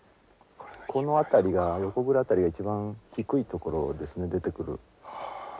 この辺りが横倉辺りが一番低いところですね出てくる。